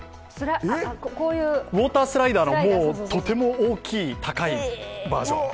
ウォータースライダーのとても大きい高いバージョン。